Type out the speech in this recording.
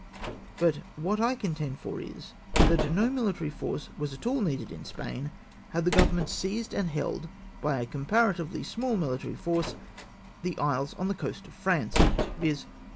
But what I contend for is, that no mihtary force was at all needed in Spain, had the government seized and held, by a comparatively small military force, the isles on the coast of France, viz..